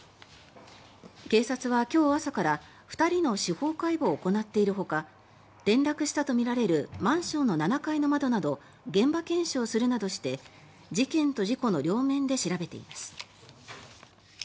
警察は今日朝から２人の司法解剖を行っているほか転落したとみられるマンションの７階の窓など現場検証するなどして事件の事故の両面で調べています。